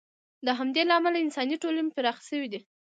د همدې له امله انساني ټولنې پراخې شوې دي.